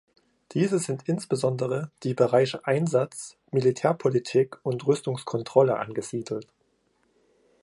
Diese sind insbesondere die Bereiche Einsatz, Militärpolitik und Rüstungskontrolle angesiedelt.